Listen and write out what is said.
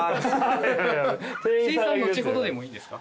精算後ほどでもいいんですか？